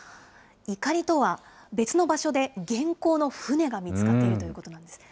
いかりとは別の場所で、元寇の船が見つかっているということなんですね。